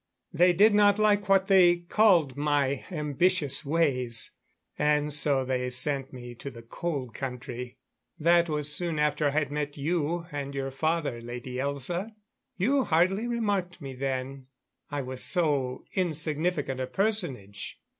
They did not like what they called my ambitious ways and so they sent me to the Cold Country. That was soon after I had met you and your father, Lady Elza. You hardly remarked me then I was so insignificant a personage.